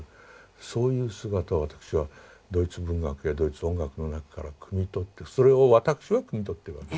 そういう姿を私はドイツ文学やドイツ音楽の中からくみ取ってそれを私はくみ取ってるわけ。